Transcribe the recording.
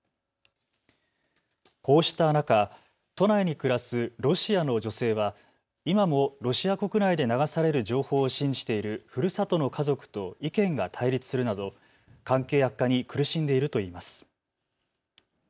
こうした中、都内に暮らすロシアの女性は今もロシア国内で流される情報を信じているふるさとの家族と意見が対立するなど関係悪化に苦しんでいるといいます。